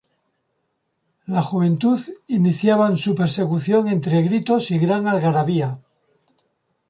La juventud iniciaban su persecución entre gritos y gran algarabía.